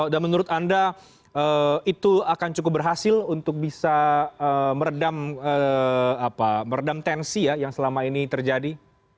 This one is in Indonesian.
dan menurut anda itu akan cukup berhasil untuk bisa meredam tensi ya yang selama ini terjadi